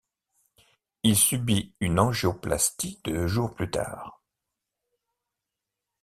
Il subit une angioplastie deux jours plus tard.